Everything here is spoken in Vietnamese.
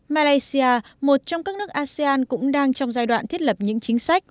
malaysia một trong các nước asean cũng đang trong giai đoạn thiết lập những chính sách